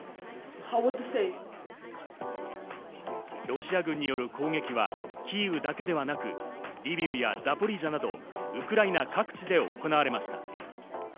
ロシア軍による攻撃はキーウだけではなくリビウやザポリージャなど、ウクライナ各地で行われました。